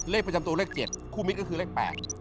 เลขประจำตูกลางคือเลข๗